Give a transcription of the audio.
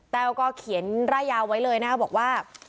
แววก็เขียนร่ายยาวไว้เลยนะครับบอกว่า